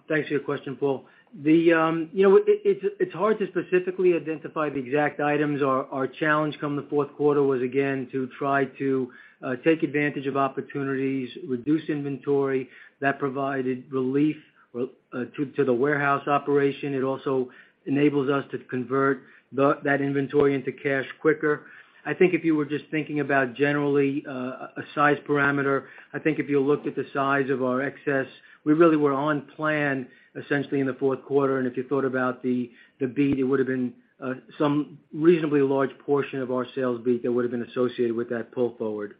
Thanks for your question, Paul. The, you know, it, it's hard to specifically identify the exact items. Our, our challenge come the Q4 was again to try to take advantage of opportunities, reduce inventory that provided relief to the warehouse operation. It also enables us to convert that inventory into cash quicker. I think if you were just thinking about generally, a size parameter, I think if you looked at the size of our excess, we really were on plan essentially in the Q4. If you thought about the beat, it would have been some reasonably large portion of our sales beat that would have been associated with that pull forward.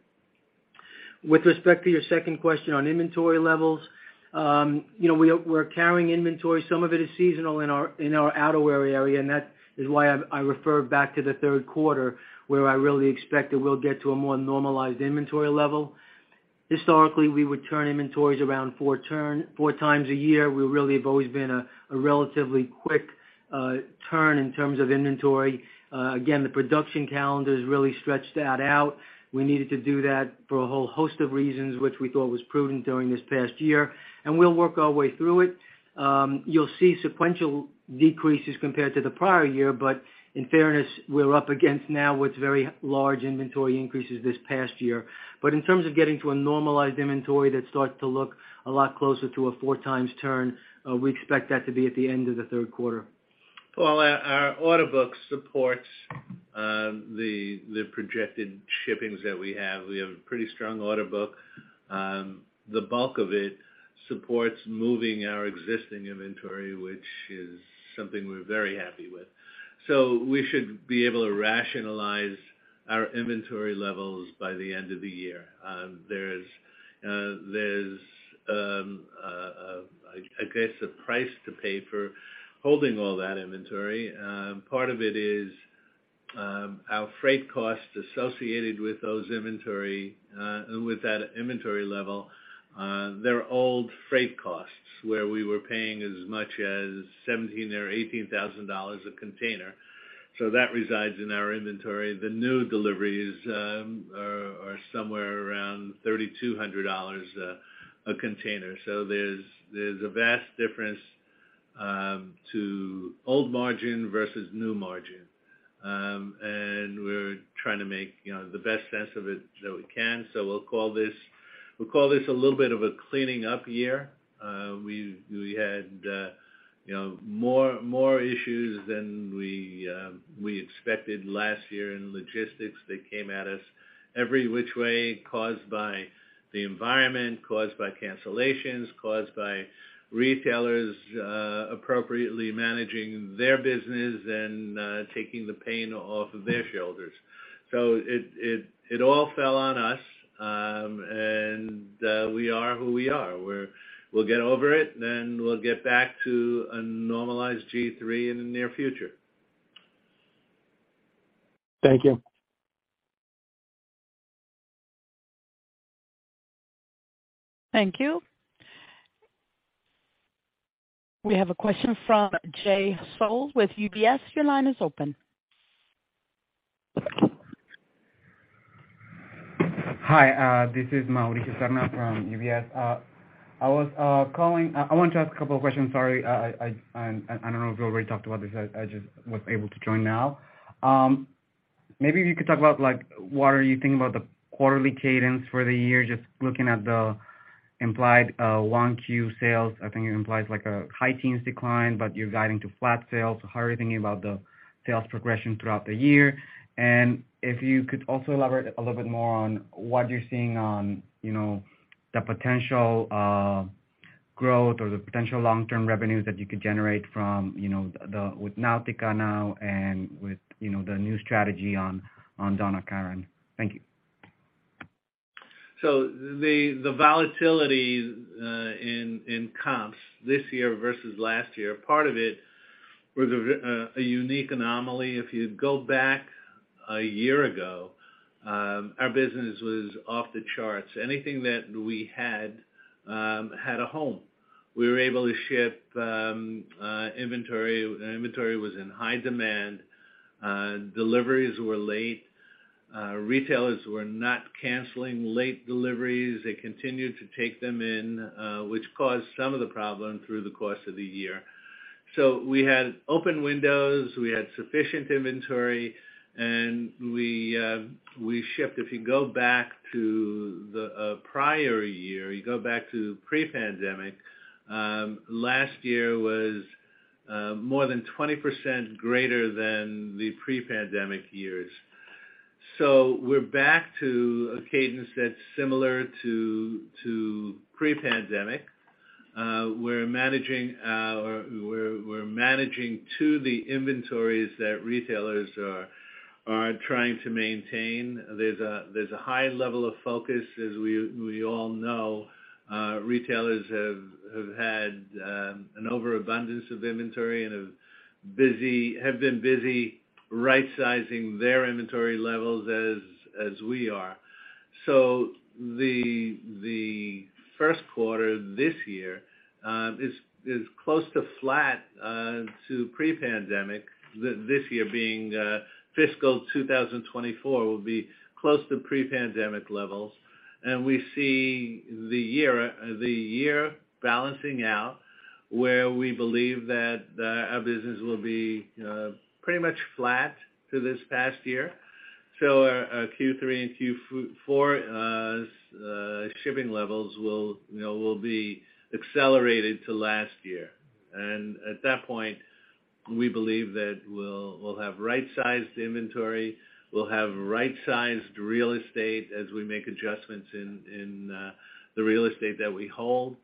With respect to your second question on inventory levels, you know, we're carrying inventory. Some of it is seasonal in our outerwear area. That is why I refer back to the Q3, where I really expect that we'll get to a more normalized inventory level. Historically, we would turn inventories around four times a year. We really have always been a relatively quick turn in terms of inventory. Again, the production calendar has really stretched that out. We needed to do that for a whole host of reasons, which we thought was prudent during this past year. We'll work our way through it. You'll see sequential decreases compared to the prior year. In fairness, we're up against now what's very large inventory increases this past year. In terms of getting to a normalized inventory that starts to look a lot closer to a four times turn, we expect that to be at the end of the Q3. Our order book supports the projected shippings that we have. We have a pretty strong order book. The bulk of it supports moving our existing inventory, which is something we're very happy with. We should be able to rationalize our inventory levels by the end of the year. There's I guess a price to pay for holding all that inventory. Part of it is our freight costs associated with those inventory with that inventory level. They're old freight costs where we were paying as much as $17,000-$18,000 a container, so that resides in our inventory. The new deliveries are somewhere around $3,200 a container. There's a vast difference to old margin versus new margin. We're trying to make, you know, the best sense of it that we can. We'll call this, we'll call this a little bit of a cleaning up year. We, we had, you know, more issues than we expected last year in logistics that came at us every which way, caused by the environment, caused by cancellations, caused by retailers, appropriately managing their business and, taking the pain off of their shoulders. It all fell on us, and that we are who we are. We'll get over it, then we'll get back to a normalized G-III in the near future. Thank you. Thank you. We have a question from Jay Sole with UBS. Your line is open. Hi, this is Mauricio Serna from UBS. I wanted to ask a couple of questions. Sorry, I don't know if you already talked about this. I just was able to join now. Maybe you could talk about like what are you thinking about the quarterly cadence for the year, just looking at the implied 1Q sales. I think it implies like a high-teens decline, but you're guiding to flat sales. How are you thinking about the sales progression throughout the year? If you could also elaborate a little bit more on what you're seeing on, you know, the potential growth or the potential long-term revenues that you could generate from, you know, with Nautica now and with, you know, the new strategy on Donna Karan. Thank you. The volatility in comps this year versus last year, part of it was a unique anomaly. If you go back a year ago, our business was off the charts. Anything that we had had a home. We were able to ship inventory. Inventory was in high demand. Deliveries were late. Retailers were not canceling late deliveries. They continued to take them in, which caused some of the problem through the course of the year. We had open windows, we had sufficient inventory, and we shipped. If you go back to the prior year, you go back to pre-pandemic, last year was more than 20% greater than the pre-pandemic years. We're back to a cadence that's similar to pre-pandemic. We're managing to the inventories that retailers are trying to maintain. There's a high level of focus. As we all know, retailers have had an overabundance of inventory and have been busy right-sizing their inventory levels as we are. The Q1 this year is close to flat to pre-pandemic. This year being fiscal 2024 will be close to pre-pandemic levels. We see the year balancing out where we believe that our business will be pretty much flat to this past year. Our Q3 and Q4 shipping levels will, you know, will be accelerated to last year. At that point, we believe that we'll have right-sized inventory, we'll have right-sized real estate as we make adjustments in the real estate that we hold.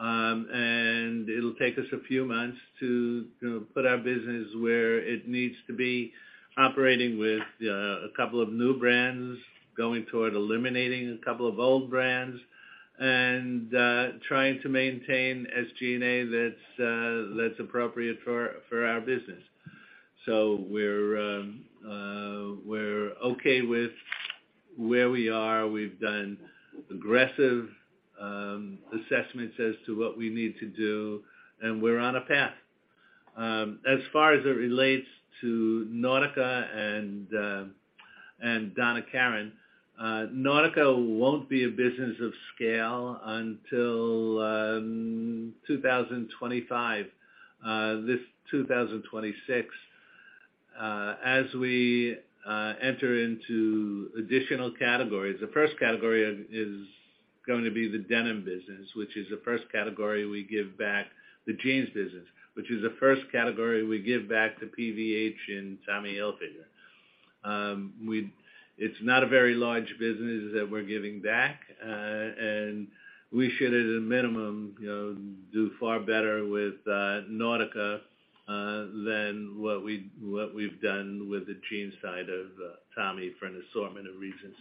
It'll take us a few months to put our business where it needs to be operating with a couple of new brands, going toward eliminating a couple of old brands, and trying to maintain SG&A that's appropriate for our business. We're okay with where we are. We've done aggressive assessments as to what we need to do, and we're on a path. As far as it relates to Nautica and Donna Karan, Nautica won't be a business of scale until 2025, 2026, as we enter into additional categories. The first category is going to be the denim business, which is the first category we give back the jeans business, which is the first category we give back to PVH and Tommy Hilfiger. It's not a very large business that we're giving back, and we should at a minimum, you know, do far better with Nautica than what we've done with the jeans side of Tommy for an assortment of reasons.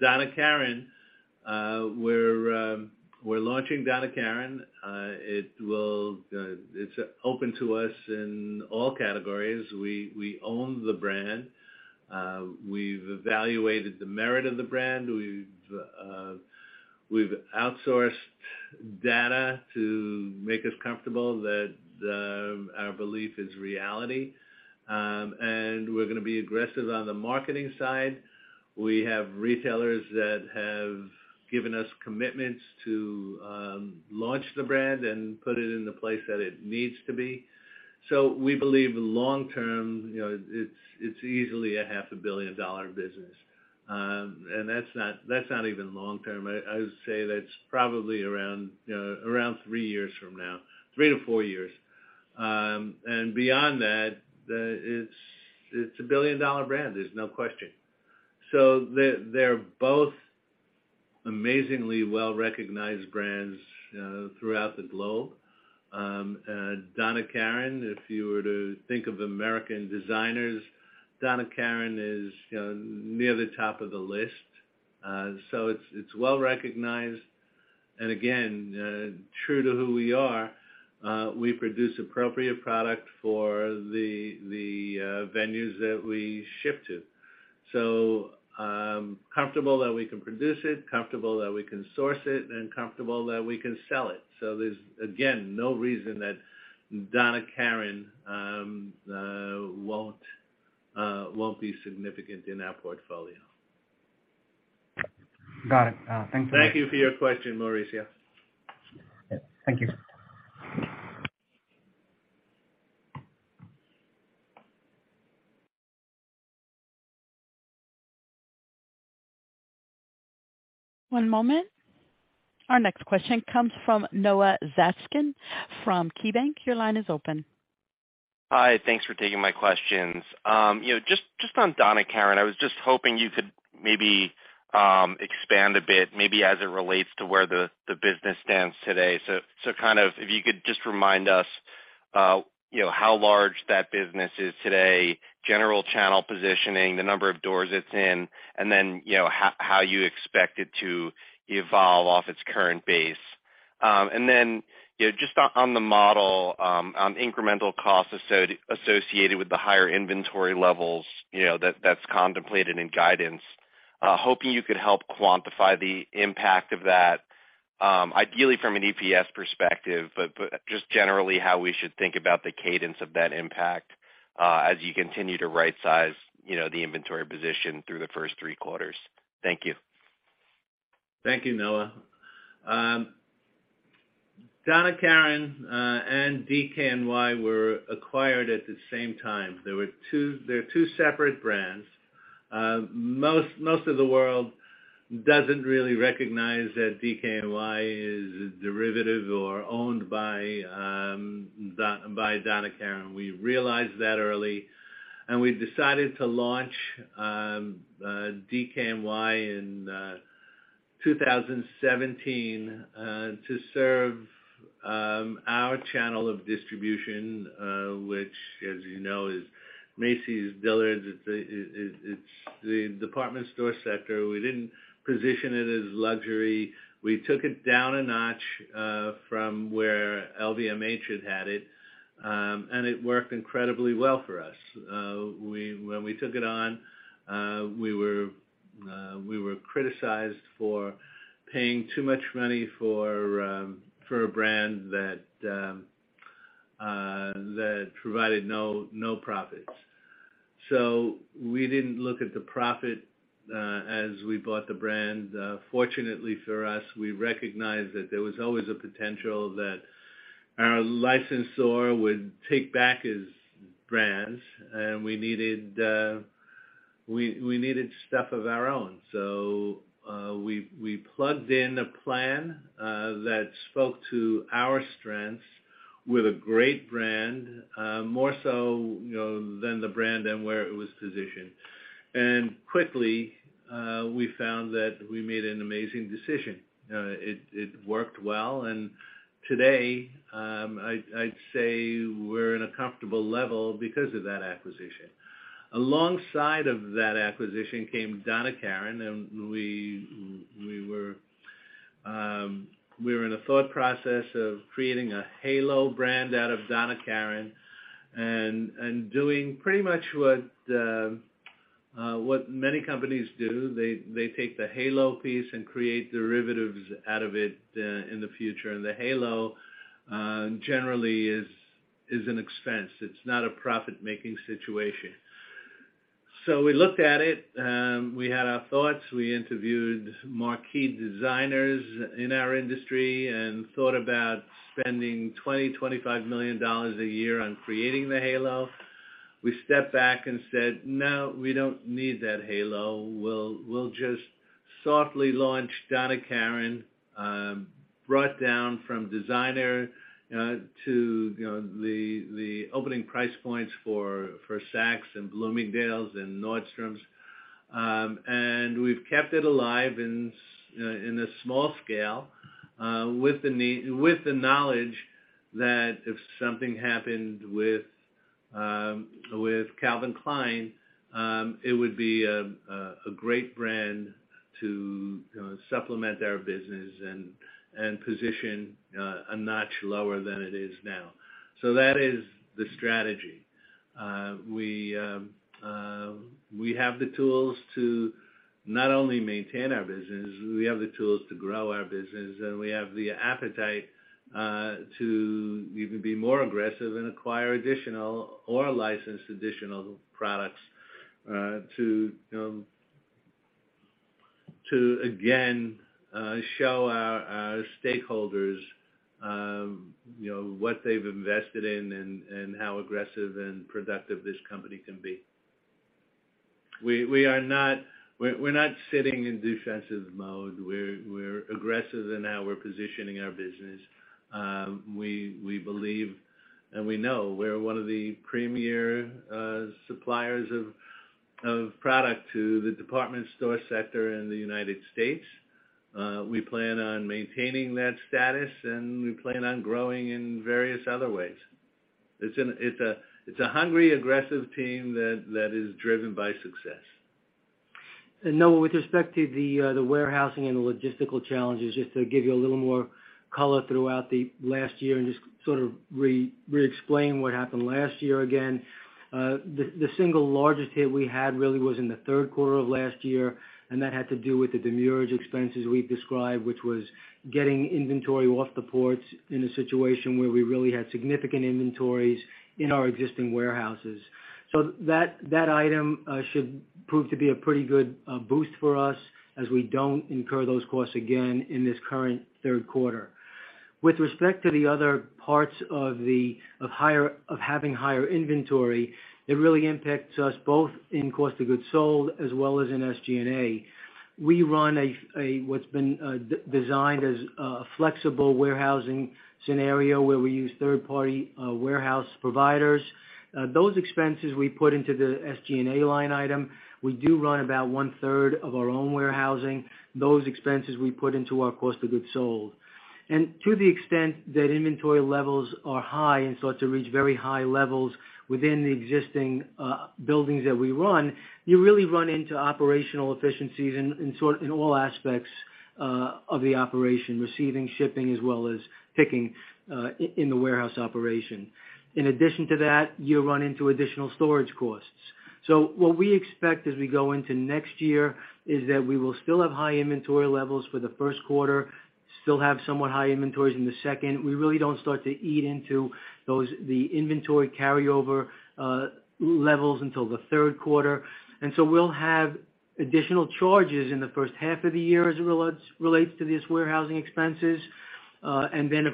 Donna Karan, we're launching Donna Karan. It will, it's open to us in all categories. We own the brand. We've evaluated the merit of the brand. We've outsourced data to make us comfortable that our belief is reality. We're gonna be aggressive on the marketing side. We have retailers that have given us commitments to launch the brand and put it in the place that it needs to be. We believe long-term, you know, it's easily a half a billion-dollar business. That's not, that's not even long-term. I would say that's probably around three years from now, three to four years. Beyond that, it's a billion-dollar brand, there's no question. They're both amazingly well-recognized brands throughout the globe. Donna Karan, if you were to think of American designers, Donna Karan is, you know, near the top of the list. It's well-recognized. Again, true to who we are, we produce appropriate product for the venues that we ship to. Comfortable that we can produce it, comfortable that we can source it, and comfortable that we can sell it. There's again no reason that Donna Karan won't be significant in our portfolio. Got it. Thank you. Thank you for your question, Mauricio. Thank you. One moment. Our next question comes from Noah Zatzkin from KeyBank. Your line is open. Hi. Thanks for taking my questions. You know, just on Donna Karan, I was just hoping you could maybe expand a bit, maybe as it relates to where the business stands today. Kind of if you could just remind us, you know, how large that business is today, general channel positioning, the number of doors it's in, and then, you know, how you expect it to evolve off its current base. Then, you know, just on the model, on incremental costs associated with the higher inventory levels, you know, that's contemplated in guidance, hoping you could help quantify the impact of that, ideally from an EPS perspective, but just generally how we should think about the cadence of that impact, as you continue to rightsize, you know, the inventory position through the first three quarters. Thank you. Thank you, Noah. Donna Karan and DKNY were acquired at the same time. They're two separate brands. Most of the world doesn't really recognize that DKNY is a derivative or owned by Donna Karan. We realized that early, and we decided to launch DKNY in 2017 to serve our channel of distribution, which, as you know, is Macy's, Dillard's, it's the department store sector. We didn't position it as luxury. We took it down a notch from where LVMH had it, and it worked incredibly well for us. When we took it on, we were criticized for paying too much money for a brand that provided no profits. We didn't look at the profit as we bought the brand. Fortunately for us, we recognized that there was always a potential that our licensor would take back his brands, and we needed stuff of our own. We plugged in a plan that spoke to our strengths with a great brand, more so, you know, than the brand and where it was positioned. Quickly, we found that we made an amazing decision. It worked well. Today, I'd say we're in a comfortable level because of that acquisition. Alongside of that acquisition came Donna Karan, and we were in a thought process of creating a halo brand out of Donna Karan and doing pretty much what many companies do. They take the halo piece and create derivatives out of it in the future. The halo generally is an expense. It's not a profit-making situation. We looked at it, we had our thoughts. We interviewed marquee designers in our industry and thought about spending $20 million-$25 million a year on creating the halo. We stepped back and said, "No, we don't need that halo. We'll just softly launch Donna Karan," brought down from designer to, you know, the opening price points for Saks and Bloomingdale's and Nordstrom's. And we've kept it alive in a small scale with the knowledge that if something happened with Calvin Klein, it would be a great brand to, you know, supplement our business and position a notch lower than it is now. That is the strategy. We have the tools to not only maintain our business, we have the tools to grow our business, and we have the appetite to even be more aggressive and acquire additional or license additional products to, you know, to again, show our stakeholders, you know, what they've invested in and how aggressive and productive this company can be. We're not sitting in defensive mode. We're aggressive in how we're positioning our business. We believe and we know we're one of the premier suppliers of product to the department store sector in the United States. We plan on maintaining that status, and we plan on growing in various other ways. It's a hungry, aggressive team that is driven by success. Noah, with respect to the warehousing and logistical challenges, just to give you a little more color throughout the last year and just sort of re-explain what happened last year again. The single largest hit we had really was in the Q3 of last year, and that had to do with the demurrage expenses we've described, which was getting inventory off the ports in a situation where we really had significant inventories in our existing warehouses. That item should prove to be a pretty good boost for us as we don't incur those costs again in this current Q3. With respect to the other parts of having higher inventory, it really impacts us both in cost of goods sold as well as in SG&A. We run a what's been designed as a flexible warehousing scenario where we use third-party warehouse providers. Those expenses we put into the SG&A line item. We do run about one-third of our own warehousing. Those expenses we put into our cost of goods sold. To the extent that inventory levels are high and start to reach very high levels within the existing buildings that we run, you really run into operational efficiencies in all aspects of the operation, receiving, shipping, as well as picking in the warehouse operation. In addition to that, you run into additional storage costs. What we expect as we go into next year is that we will still have high inventory levels for the Q1, still have somewhat high inventories in the second. We really don't start to eat into those the inventory carryover levels until the Q3. We'll have additional charges in the first half of the year as it relates to these warehousing expenses. Of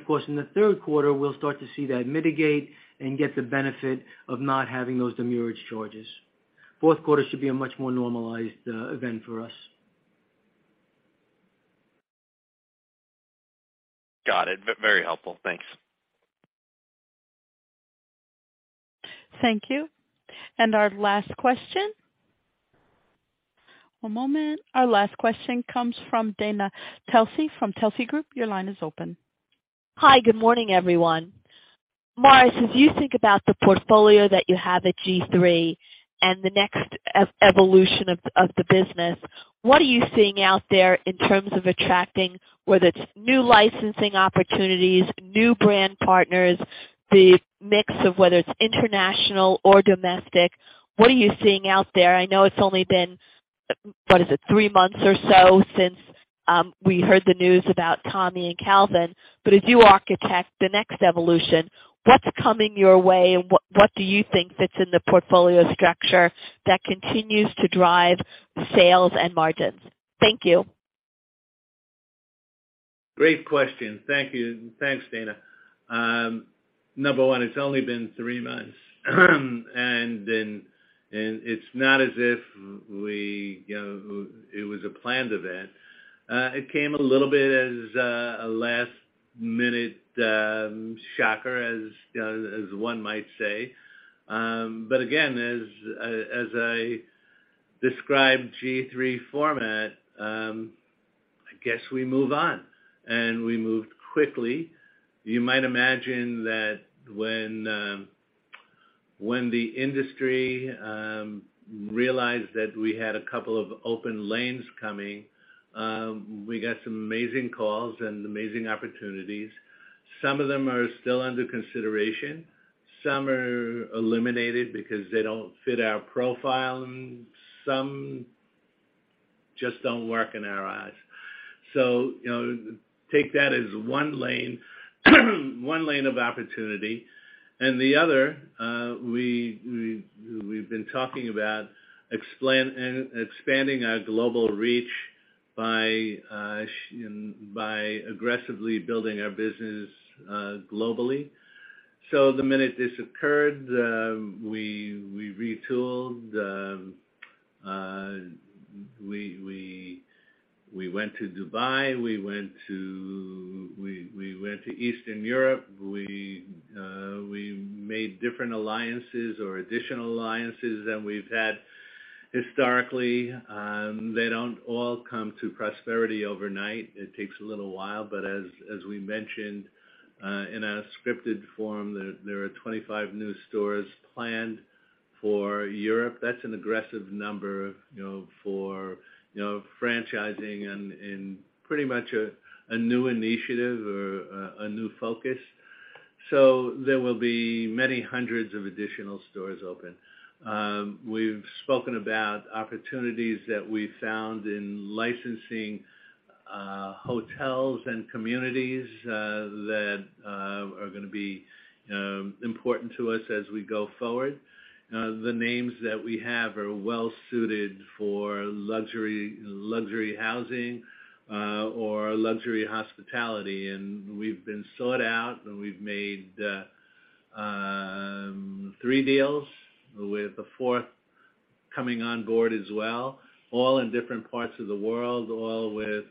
course, in the Q3, we'll start to see that mitigate and get the benefit of not having those demurrage charges. Q4 should be a much more normalized event for us. Got it. Very helpful. Thanks. Thank you. Our last question. One moment. Our last question comes from Dana Telsey from Telsey Group. Your line is open. Hi. Good morning, everyone. Morris, as you think about the portfolio that you have at G-III and the next evolution of the business, what are you seeing out there in terms of attracting, whether it's new licensing opportunities, new brand partners, the mix of whether it's international or domestic? What are you seeing out there? I know it's only been, what is it, three months or so since we heard the news about Tommy and Calvin. As you architect the next evolution, what's coming your way, and what do you think fits in the portfolio structure that continues to drive sales and margins? Thank you. Great question. Thank you. Thanks, Dana. Number one, it's only been three months. It's not as if we, you know, it was a planned event. It came a little bit as a last-minute shocker, as one might say. Again, as I describe G-III format, I guess we move on, and we moved quickly. You might imagine that when the industry realized that we had a couple of open lanes coming, we got some amazing calls and amazing opportunities. Some of them are still under consideration, some are eliminated because they don't fit our profile, and some just don't work in our eyes. You know, take that as one lane of opportunity. The other, we've been talking about expanding our global reach by aggressively building our business globally. The minute this occurred, we retooled. We went to Dubai, we went to Eastern Europe. We made different alliances or additional alliances than we've had historically. They don't all come to prosperity overnight. It takes a little while. As we mentioned, in a scripted form, there are 25 new stores planned for Europe. That's an aggressive number, you know, for, you know, franchising and in pretty much a new initiative or a new focus. There will be many hundreds of additional stores open. We've spoken about opportunities that we found in licensing, hotels and communities that are gonna be important to us as we go forward. The names that we have are well suited for luxury housing, or luxury hospitality. We've been sought out, and we've made three deals, with the fourth coming on board as well, all in different parts of the world, all with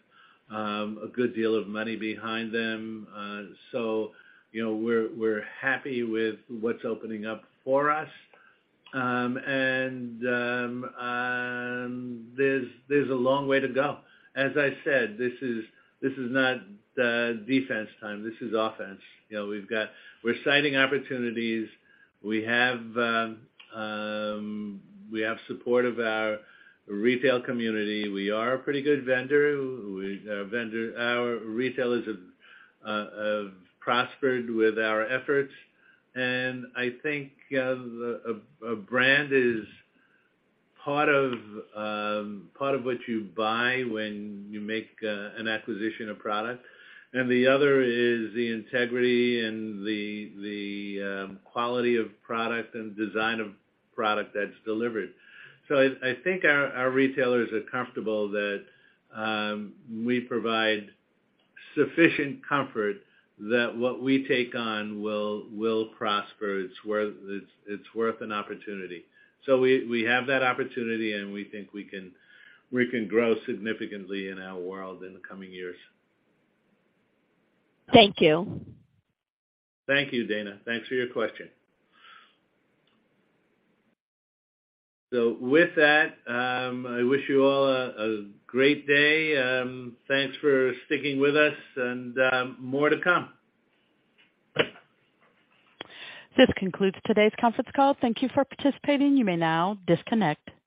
a good deal of money behind them. You know, we're happy with what's opening up for us. There's a long way to go. As I said, this is not defense time. This is offense. You know, we're citing opportunities. We have support of our retail community. We are a pretty good vendor. Our retailers have prospered with our efforts. I think as a brand is part of what you buy when you make an acquisition of product, and the other is the integrity and the quality of product and design of product that's delivered. I think our retailers are comfortable that we provide sufficient comfort that what we take on will prosper. It's worth an opportunity. We have that opportunity, and we think we can grow significantly in our world in the coming years. Thank you. Thank you, Dana. Thanks for your question. With that, I wish you all a great day. Thanks for sticking with us, and more to come. This concludes today's conference call. Thank you for participating. You may now disconnect.